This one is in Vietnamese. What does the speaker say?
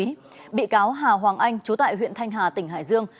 các bị cáo nguyễn quốc đại nguyễn văn thắng cùng chú tại huyện thanh hà tỉnh hải dương